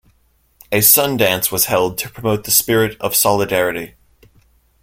A Sun Dance was held to promote the spirit of solidarity.